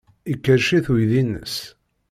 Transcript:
Ikerrec-it uydi-nnes.